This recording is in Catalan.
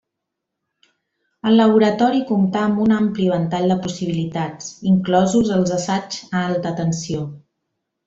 El laboratori comptà amb un ampli ventall de possibilitats, inclosos els assaigs a alta tensió.